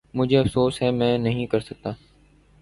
مجھے افسوس ہے میں نہیں کر سکتا۔